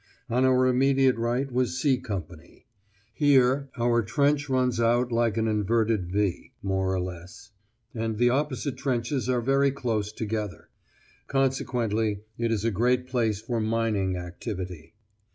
On our immediate right was "C" Company. Here our trench runs out like this __Ʌ_, more or less, and the opposite trenches are very close together. Consequently it is a great place for "mining activity."